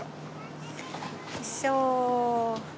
よいしょ。